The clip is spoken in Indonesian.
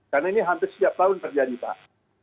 karena ini hampir setiap tahun terjadi pak